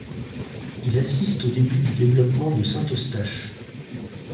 Il assiste au début du développement de Saint-Eustache.